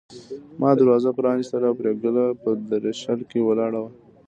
ما دروازه پرانيستله او پري ګله په درشل کې ولاړه وه